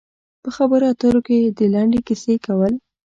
په خبرو اترو کې د لنډې کیسې کول.